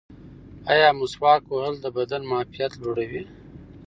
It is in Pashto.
ایا مسواک وهل د بدن معافیت لوړوي؟